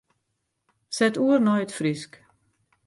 Set oer nei it Frysk.